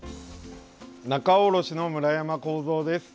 仲卸の村山浩三です。